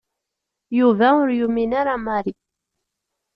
Yuba ur yumin ara Mary.